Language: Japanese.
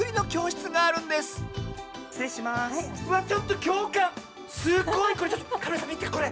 すごいこれ！